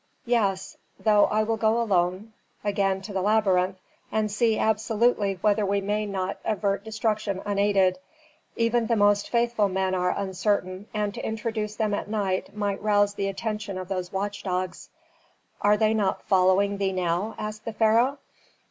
"Yes. Though I will go alone again to the labyrinth, and see absolutely whether we may not avert destruction unaided. Even the most faithful men are uncertain, and to introduce them at night might rouse the attention of those watchdogs." "Are they not following thee now?" asked the pharaoh.